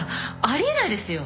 あり得ないですよ。